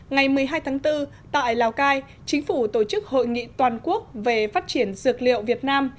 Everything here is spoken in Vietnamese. ngày một mươi hai tháng bốn tại lào cai chính phủ tổ chức hội nghị toàn quốc về phát triển dược liệu việt nam